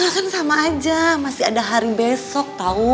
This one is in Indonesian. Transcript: kan sama aja masih ada hari besok tau